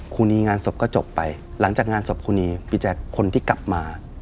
ครูนีงานศพก็จบไปหลังจากงานศพครูนีพี่แจ๊คคนที่กลับมา